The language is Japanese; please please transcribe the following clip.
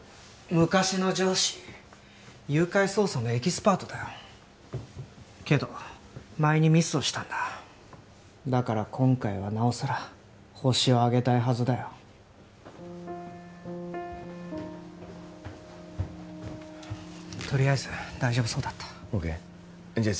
昔の上司誘拐捜査のエキスパートだよけど前にミスをしたんだだから今回はなおさらホシを挙げたいはずだよとりあえず大丈夫そうだったＯＫじゃ